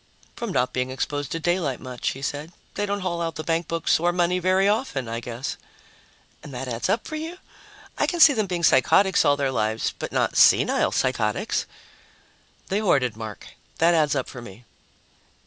"From not being exposed to daylight much," he said. "They don't haul out the bankbooks or money very often, I guess." "And that adds up for you? I can see them being psychotics all their lives ... but not senile psychotics." "They hoarded, Mark. That adds up for me."